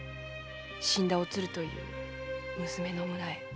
死んだおつるという娘の村へ。